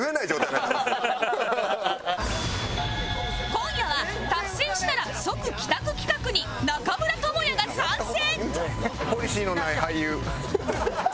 今夜は達成したら即帰宅企画に中村倫也が参戦！